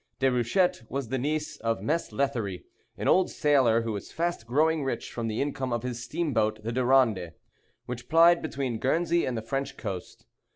Déruchette was the niece of Mess Lethierry, an old sailor who was fast growing rich from the income of his steamboat, the Durande, which plied between Guernsey and the French coast.